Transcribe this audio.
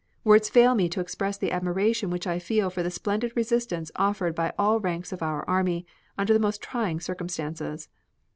Words fail me to express the admiration which I feel for the splendid resistance offered by all ranks of our army under the most trying circumstances.